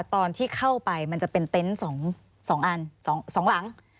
ตอนที่เข้าไปมันจะเป็นเต็นต์๒อัน๒หลัง